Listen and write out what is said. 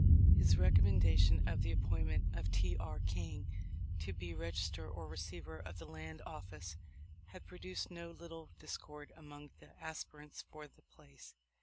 His recommendation of the appointment of T. R. King to be Regis ter or Receiver of the Land Office had pro duced no little discord among the other aspirants for the place.